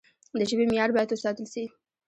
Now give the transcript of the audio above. د ژبي معیار باید وساتل سي.